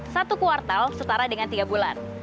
satu kuartal setara dengan tiga bulan